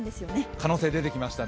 可能性出てきましたね。